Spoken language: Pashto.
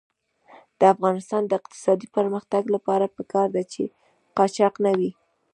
د افغانستان د اقتصادي پرمختګ لپاره پکار ده چې قاچاق نه وي.